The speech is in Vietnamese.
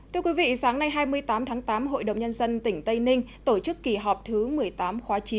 thưa quý vị sáng nay hai mươi tám tháng tám hội đồng nhân dân tỉnh tây ninh tổ chức kỳ họp thứ một mươi tám khóa chín